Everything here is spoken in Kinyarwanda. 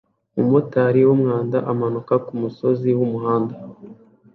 Umumotari wumwanda amanuka kumusozi wumwanda